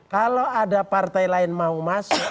kalau ada partai lain mau masuk